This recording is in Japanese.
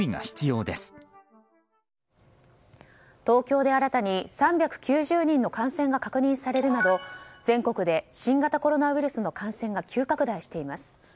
東京で新たに３９０人の感染が確認されるなど全国で新型コロナウイルスの感染が急拡大しています。